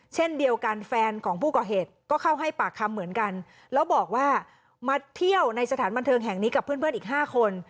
เช่นเดียวกันแฟนของผู้ก่อเหตุก็เข้าให้ปากคำเหมือนกันแล้วบอกว่ามาเที่ยวในสถานบันเทิงแห่งนี้กับเพื่อนอีก๕คน